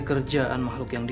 kerjaan mahluk yang